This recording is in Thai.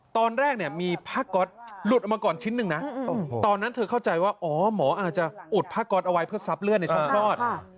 ตอนแรกเนี่ยมีผ้าก๊อตหลุดออกมาก่อนชิ้นหนึ่งนะตอนนั้นเธอเข้าใจว่าอ๋อหมออาจจะอุดผ้าก๊อตเอาไว้เพื่อซับเลือดในช่องคลอด